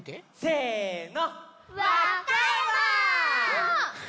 せの。